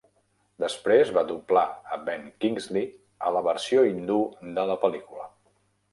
Després va doblar a Ben Kingsley a la versió hindú de la pel·lícula.